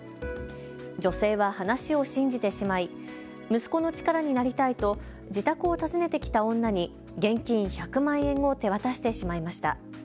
女性は話を信じてしまい息子の力になりたいと、自宅を訪ねてきた女に現金１００万円を手渡してしまいました。